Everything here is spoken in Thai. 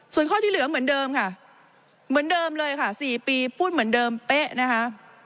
ส่วนข้อที่เหลือเหมือนเดิมค่ะเหมือนเดิมเลยค่ะ๔ปีพูดเหมือนเดิมเป๊ะนะคะ